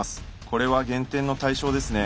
これは減点の対象ですね。